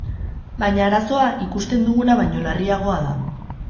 Baina arazoa ikusten duguna baino larriagoa da.